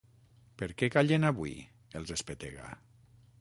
Per què callen avui?, els espetega.